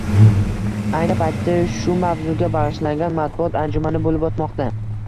Ayni paytda shu mavzuga bagʻishlangan matbuot anjumani boʻlib oʻtmoqda.